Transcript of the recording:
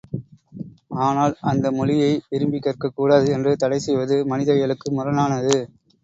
ஆனால் அந்த மொழியை விரும்பிக் கற்கக் கூடாது என்று தடை செய்வது மனித இயலுக்கு முரணானது.